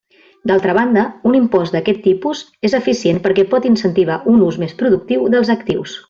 D'altra banda, un impost d'aquest tipus és eficient perquè pot incentivar un ús més productiu dels actius.